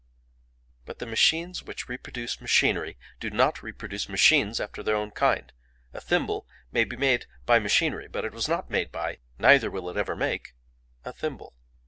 "But the machines which reproduce machinery do not reproduce machines after their own kind. A thimble may be made by machinery, but it was not made by, neither will it ever make, a thimble.